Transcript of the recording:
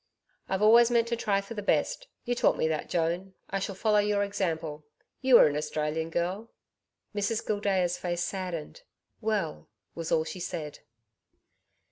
'I've always meant to try for the best. You taught me that, Joan, I shall follow your example. You were an Australian girl.' Mrs Gildea's face saddened. 'Well,' was all she said.